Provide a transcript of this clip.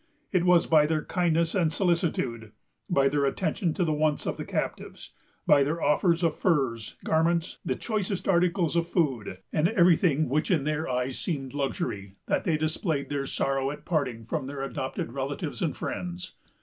It was by their kindness and solicitude, by their attention to the wants of the captives, by their offers of furs, garments, the choicest articles of food, and every thing which in their eyes seemed luxury, that they displayed their sorrow at parting from their adopted relatives and friends.